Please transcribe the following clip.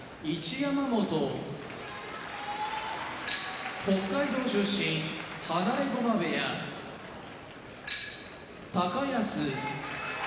山本北海道出身放駒部屋高安